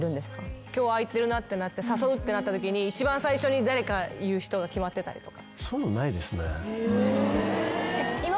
今日空いてるってなって誘うってなったときに一番最初に誰か言う人が決まってたりとか。